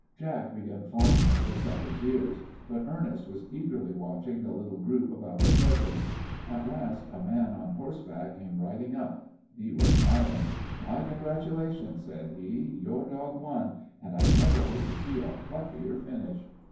Jack began fondling the setter's ears, but Ernest was eagerly watching the little group about the judges. At last a man on horseback came riding up. He was smiling. "My congratulations," said he. "Your dog won, and I never hope to see a pluckier finish."